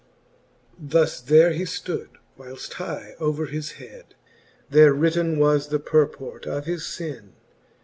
XXVI. Thus there he ftood, whileft high over his head, There written was the purport of his fin.